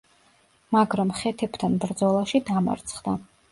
მაგრამ ხეთებთან ბრძოლაში დამარცხდა.